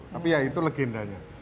tapi ya itu legendanya